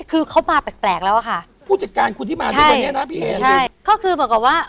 คือเขามาแปลกแล้วอะค่ะ